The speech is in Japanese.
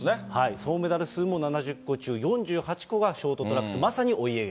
総メダル数も７０個中、４８個はショートトラック、まさにお家芸。